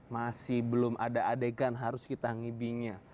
masih belum ada adegan harus kita ngibinya